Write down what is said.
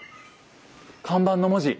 看板の文字。